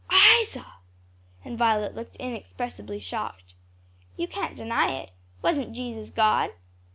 "Isa!" and Violet looked inexpressibly shocked. "You can't deny it. Wasn't Jesus God?"